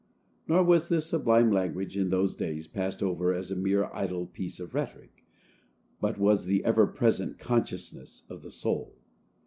Nor was this sublime language in those days passed over as a mere idle piece of rhetoric, but was the ever present consciousness of the soul.